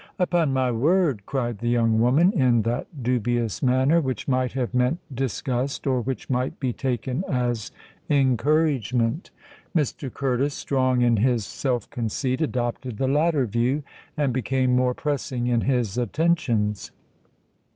"Upon my word!" cried the young woman, in that dubious manner which might have meant disgust, or which might be taken as encouragement. Mr. Curtis, strong in his self conceit, adopted the latter view, and became more pressing in his attentions.